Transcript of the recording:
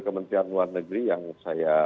kementerian luar negeri yang saya